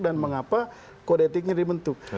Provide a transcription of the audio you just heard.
dan mengapa kodetiknya dibentuk